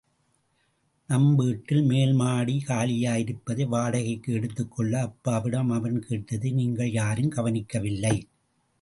நம் வீட்டில் மேல்மாடி காலியாயிருப்பதை வாடகைக்கு எடுத்துக் கொள்ள அப்பாவிடம் அவன் கேட்டதை நீங்கள் யாரும் கவனிக்கவில்லை.